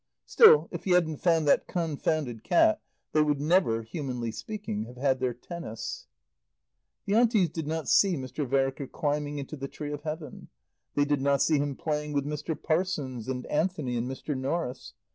Still, if he hadn't found that confounded cat, they would never, humanly speaking, have had their tennis. The Aunties did not see Mr. Vereker climbing into the tree of Heaven. They did not see him playing with Mr. Parsons and Anthony and Mr. Norris.